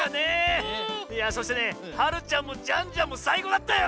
そしてねはるちゃんもジャンジャンもさいこうだったよ！